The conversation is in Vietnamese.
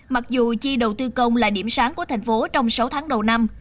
mặc dù chi đầu tư công là điểm sáng của thành phố trong sáu tháng đầu năm